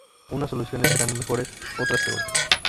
Unas soluciones serán mejores, otras peores.